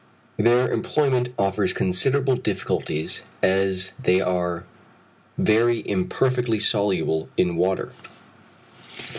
Their employment offers considerable difficulties as they are very imperfectly soluble in water.